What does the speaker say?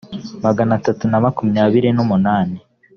magana atatu na makumyabiri n umunani